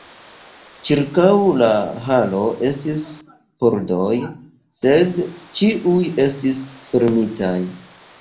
Ĉirkaŭ la halo estis pordoj; sed ĉiuj estis fermitaj.